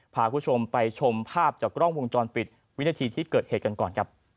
พาคุณผู้ชมไปชมภาพจากกล้องวงจรปิดวินาทีที่เกิดเหตุกันก่อนครับ